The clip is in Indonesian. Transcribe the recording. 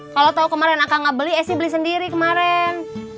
kalau tau kemarin akang gak beli esi beli sendiri kemarin